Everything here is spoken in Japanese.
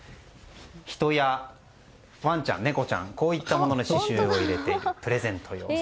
人やワンちゃん、ネコちゃんこういったもののししゅうを入れてプレゼント用に。